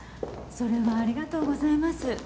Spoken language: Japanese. それはありがとうございます